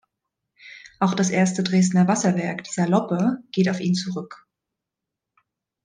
Auch das erste Dresdner Wasserwerk, die Saloppe geht auf ihn zurück.